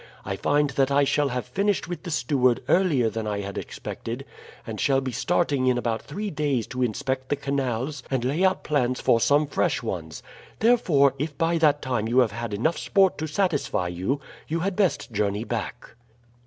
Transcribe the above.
I find that I shall have finished with the steward earlier than I had expected, and shall be starting in about three days to inspect the canals and lay out plans for some fresh ones; therefore, if by that time you have had enough sport to satisfy you, you had best journey back."